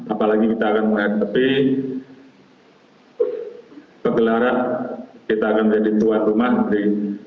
apalagi kita akan menghadapi pegelaran kita akan jadi tuan rumah di dua ribu dua puluh